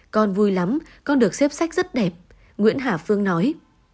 con vui lắm con được xếp sách rất đẹp nguyễn hà phương nói